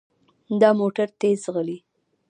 دا موټر تیز ځغلي.